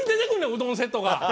うどんセットが。